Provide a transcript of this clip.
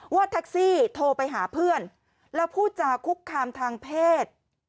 ว่าแท็กซี่โทรไปหาเพื่อนแล้วพูดจาคุกคามทางเพศ